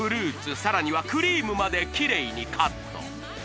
さらにはクリームまでキレイにカット！